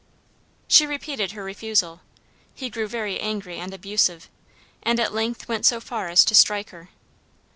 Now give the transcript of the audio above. She repeated her refusal; he grew very angry and abusive, and at length went so far as to strike her.